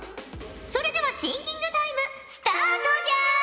それではシンキングタイムスタートじゃ！